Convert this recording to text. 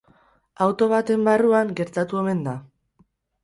Auto baten barruan gertatu omen da.